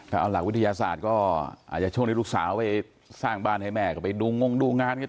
เอาหลักวิทยาศาสตร์ก็อาจจะช่วงนี้ลูกสาวไปสร้างบ้านให้แม่ก็ไปดูงงดูงานกัน